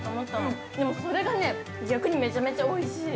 でもそれがね、逆にめちゃめちゃおいしい。